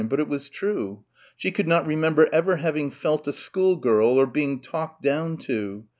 But it was true she could not remember ever having felt a schoolgirl ... or being "talked down" to